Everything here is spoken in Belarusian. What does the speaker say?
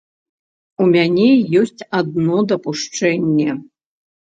У мяне ёсць адно дапушчэнне.